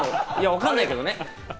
わかんないけれどもね。